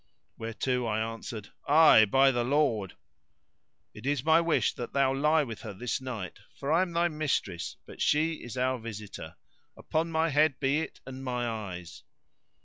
whereto I answered, "Ay, by the Lord!" "It is my wish that thou lie with her this night; for I am thy mistress but she is our visitor. Upon my head be it, and my eyes."